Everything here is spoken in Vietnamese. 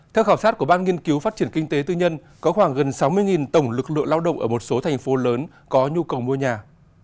theo khảo sát của ban nghiên cứu phát triển kinh tế tư nhân có khoảng gần sáu mươi tổng lực lượng lao động ở một số thành phố lớn có nhu cầu mua nhà